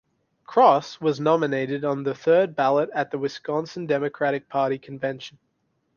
Cross was nominated on the third ballot at the Wisconsin Democratic Party Convention.